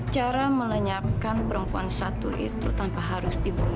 cara melenyapkan perempuan satu itu tanpa harus dibunuh